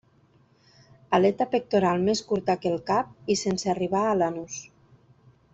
Aleta pectoral més curta que el cap i sense arribar a l'anus.